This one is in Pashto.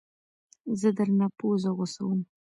زه درنه پوزه غوڅوم